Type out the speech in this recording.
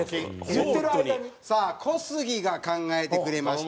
さあ小杉が考えてくれました。